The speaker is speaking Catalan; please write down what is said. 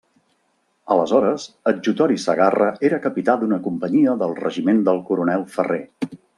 Aleshores, Adjutori Segarra era capità d'una companyia del regiment del coronel Ferrer.